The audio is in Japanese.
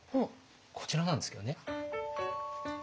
こちらなんですけどね。